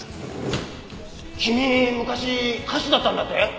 君昔歌手だったんだって？